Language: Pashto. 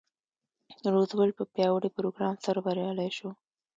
روزولټ په پیاوړي پروګرام سره بریالی شو.